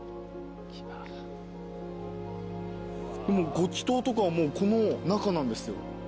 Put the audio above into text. ご祈祷とかはこの中なんですよ。